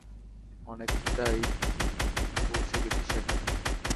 অনেকটাই পৌঁছে গেছি সেখানে!